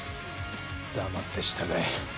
黙って従え。